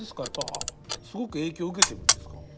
やっぱすごく影響受けてるんですか？